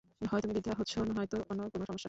হয় তুমি বৃদ্ধ হচ্ছো নয়তো অন্য কোন সমস্যা।